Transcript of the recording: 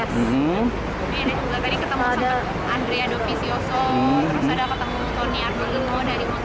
tadi ketemu sama andrea dovizioso terus ada ketemu tony arbolino dari motogp